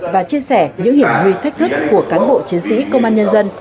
và chia sẻ những hiểm nguy thách thức của cán bộ chiến sĩ công an nhân dân